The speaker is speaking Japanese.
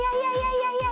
いやいや。